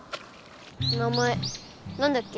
名前なんだっけ？